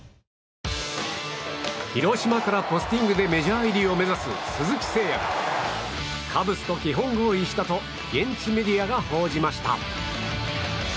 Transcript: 広島からポスティングでメジャー入りを目指す鈴木誠也がカブスと基本合意したと現地メディアが報じました。